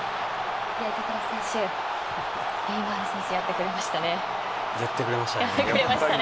板倉選手、ネイマール選手やってくれましたね。